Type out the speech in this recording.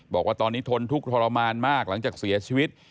บอกว่าตอนนี้ทนทุกข์ทรมานมากหลังจากเสียชีวิต